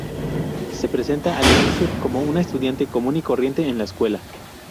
Se presenta al inicio como una estudiante común y corriente en la escuela.